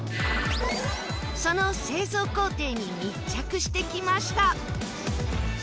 その製造工程に密着してきました